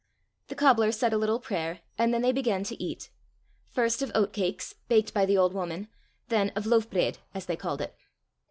The cobbler said a little prayer, and then they began to eat first of oat cakes, baked by the old woman, then of loaf breid, as they called it.